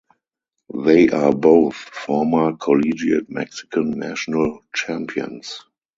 They are both former collegiate Mexican national champions.